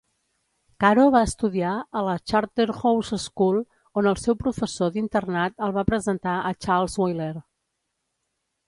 Caro va estudiar a la Charterhouse School, on el seu professor d'internat el va presentar a Charles Wheeler.